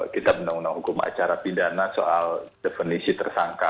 kitab undang undang hukum acara pidana soal definisi tersangka